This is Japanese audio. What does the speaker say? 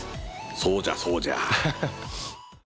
そうじゃそうじゃ。